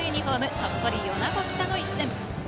鳥取・米子北の一戦。